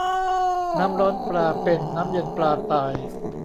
น้ำร้อนปลาเป็น น้ำเย็นปลาตาย